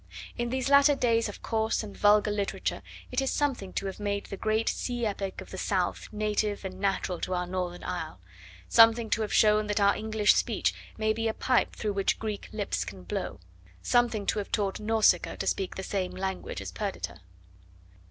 In these latter days of coarse and vulgar literature, it is something to have made the great sea epic of the South native and natural to our northern isle, something to have shown that our English speech may be a pipe through which Greek lips can blow, something to have taught Nausicaa to speak the same language as Perdita.